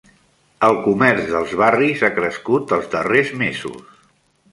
El comerç dels barris ha crescut els darrers mesos.